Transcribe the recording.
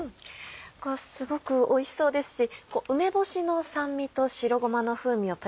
すごくおいしそうですし梅干しの酸味と白ごまの風味をプラスした